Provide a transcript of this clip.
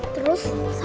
terus sama siapa